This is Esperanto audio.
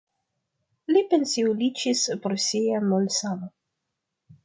Li pensiuliĝis pro sia malsano.